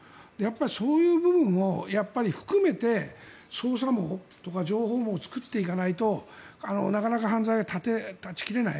そういう部分を含めて捜査網とか情報網を作っていかないとなかなか犯罪は断ち切れない。